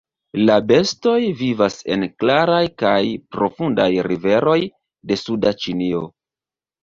La bestoj vivas en klaraj kaj profundaj riveroj de suda Ĉinio.